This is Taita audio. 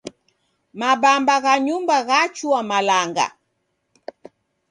Mabamba gha nyumba ghachua malanga.